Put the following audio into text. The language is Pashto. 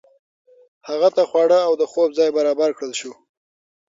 هغه ته خواړه او د خوب ځای برابر کړل شو.